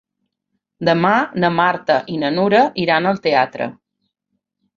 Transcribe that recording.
Demà na Marta i na Nura iran al teatre.